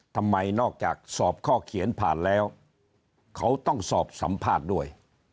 นอกจากสอบข้อเขียนผ่านแล้วเขาต้องสอบสัมภาษณ์ด้วย